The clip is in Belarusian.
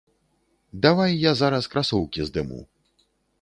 Давай я зараз красоўкі здыму.